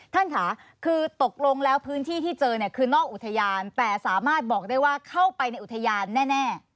ท่านค่ะคือตกลงแล้วพื้นที่ที่เจอเนี่ยคือนอกอุทยานแต่สามารถบอกได้ว่าเข้าไปในอุทยานแน่